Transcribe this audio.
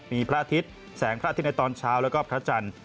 มีพระอาทิตย์แสงพระอาทิตย์ในตอนเช้าแล้วก็พระจันทร์